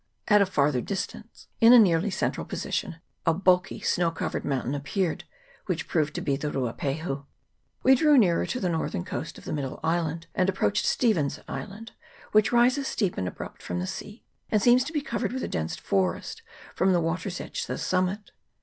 At a farther distance, in a nearly central position, a bulky snow covered mountain appeared, which proved to be the Ruapahu. We drew nearer to the northern coast of the middle island, and approached Stephens's Island, which rises steep and abrupt from the sea, and seems to* be covered with a dense forest from the water's CHAP. II.] QUEEN CHARLOTTE'S SOUND. 23 edge to the summit.